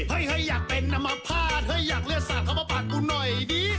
เฮ้ยเฮ้ยอยากเป็นน้ำมะพาดเฮ้ยอยากเลือดสัตว์เขามาปัดกูหน่อยดิ